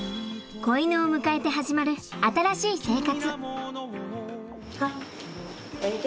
子犬を迎えて始まる新しい生活。